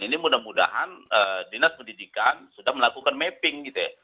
ini mudah mudahan dinas pendidikan sudah melakukan mapping gitu ya